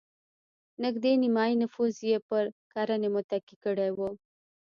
نږدې نیمايي نفوس یې پر کرنې متکي کړی و.